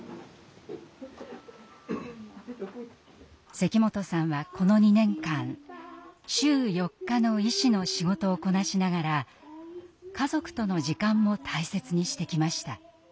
関本さんはこの２年間週４日の医師の仕事をこなしながら家族との時間も大切にしてきました。